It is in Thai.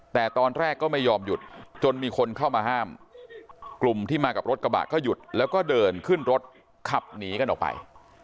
แต่ตอนแรกก็ไม่ยอมหยุดจนมีคนเข้ามาห้ามกลุ่มที่มากับรถกระบะก็หยุดแล้วก็เดินขึ้นรถขับหนีกันออกไป